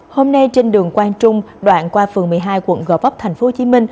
hôm nay trên đường quang trung đoạn qua phường một mươi hai quận gò vấp tp hcm